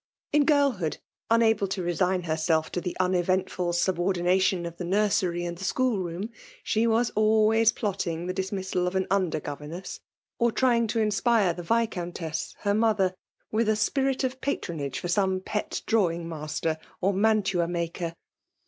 In girlhood, unable to resign herself to the uneventful , subordination of the nursery and the school room, she was always plotting the dismiaaal of an under govemess, or trying to inspire the Viscountess her mother with a spirit of patronage for some pet dramng master or mantua maker.